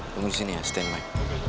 tunggu disini ya stand by